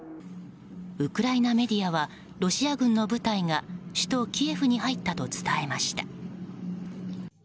ウクライナメディアはロシア軍の部隊が首都キエフに入ったと伝えました。